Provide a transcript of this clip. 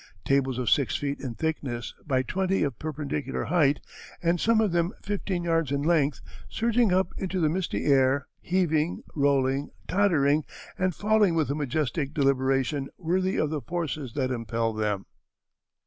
Tables of six feet in thickness by twenty of perpendicular height, and some of them fifteen yards in length, surging up into the misty air, heaving, rolling, tottering, and falling with a majestic deliberation worthy of the forces that impelled them."